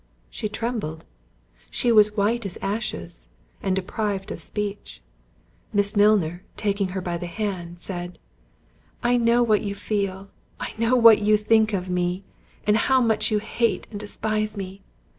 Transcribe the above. She trembled—she was white as ashes, and deprived of speech. Miss Milner, taking her by the hand, said, "I know what you feel—I know what you think of me—and how much you hate and despise me.